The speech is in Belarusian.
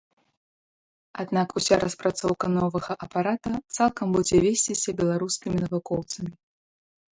Аднак уся распрацоўка новага апарата цалкам будзе весціся беларускімі навукоўцамі.